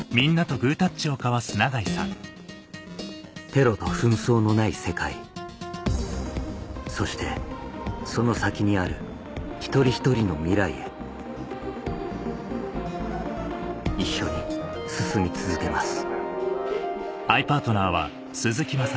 テロと紛争のない世界そしてその先にある一人一人の未来へ一緒に進み続けます